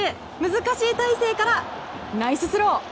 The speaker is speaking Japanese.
難しい体勢からナイススロー。